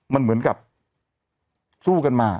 มันเหมือนกับสู้กันมา